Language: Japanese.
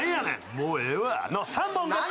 「もうええわ」の３本です。